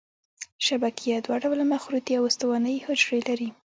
شبکیه دوه ډوله مخروطي او استوانه یي حجرې لري.